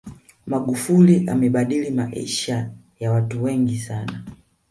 magufuli amebadili maisha ya watu wengi sana